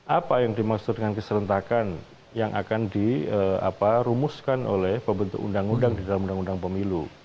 apa yang dimaksud dengan keserentakan yang akan dirumuskan oleh pembentuk undang undang di dalam undang undang pemilu